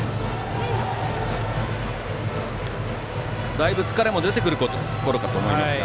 だいぶ疲れも出てくるころかと思いますが。